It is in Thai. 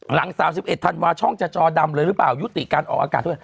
หลัง๓๑ธันวาช่องจะจอดำเลยหรือเปล่ายุติการออกอากาศด้วย